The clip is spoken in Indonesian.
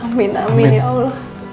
amin amin ya allah